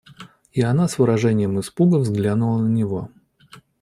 И она с выражением испуга взглянула на него.